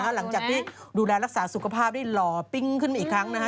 หลังจากที่ดูแลรักษาสุขภาพได้หล่อปิ๊งขึ้นมาอีกครั้งนะฮะ